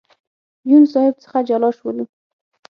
یون صاحب څخه جلا شولو.